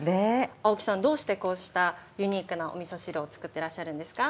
青木さん、どうしてこうしたユニークなおみそ汁を作ってらっしゃるんですか。